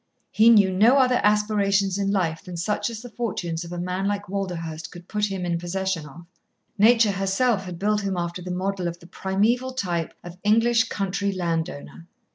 He knew no other aspirations in life than such as the fortunes of a man like Walderhurst could put him in possession of. Nature herself had built him after the model of the primeval type of English country land owner.